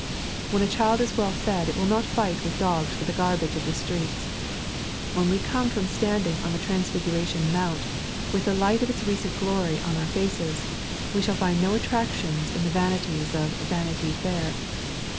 When a child is well fed it will not fight with dogs for the garbage of the streets. When we come from standing on the Transfiguration Mount, with the light of its recent glory on our faces, we shall find no attractions in the vanities of Vanity Fair.